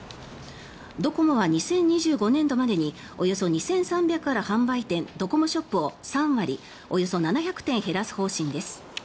ドコモは２０２５年度までにおよそ２３００ある販売店ドコモショップを３割およそ７００店減らす方針です。